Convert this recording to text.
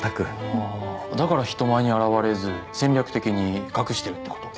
ああーだから人前に現れず戦略的に隠してるってこと？